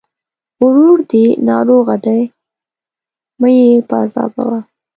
ورور دې ناروغه دی! مه يې پاذابوه.